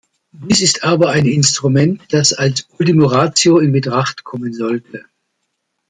Dies ist aber ein Instrument, das als Ultima Ratio in Betracht kommen sollte.